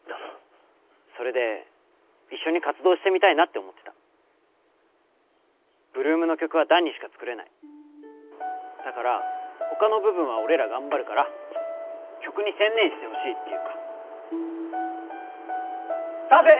それで一緒に活動してみたいなって思ってた８ＬＯＯＭの曲は弾にしか作れないだから他の部分は俺ら頑張るから曲に専念してほしいっていうか賛成！